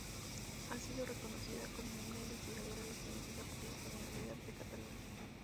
Ha sido reconocida como una investigadora distinguida por la Generalidad de Cataluña.